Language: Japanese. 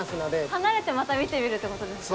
離れて、また見てみるってことですか。